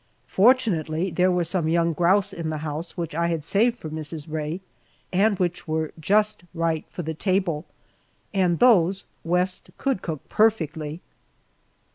Fortunately there were some young grouse in the house which I had saved for Mrs. Rae and which were just right for the table, and those West could cook perfectly.